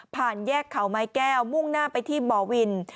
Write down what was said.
แยกเขาไม้แก้วมุ่งหน้าไปที่บ่อวิน